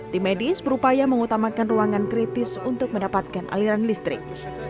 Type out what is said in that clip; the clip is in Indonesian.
tim medis berupaya mengutamakan ruangan kritis untuk mendapatkan aliran listrik